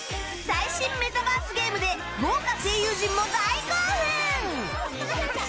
最新メタバースゲームで豪華声優陣も大興奮！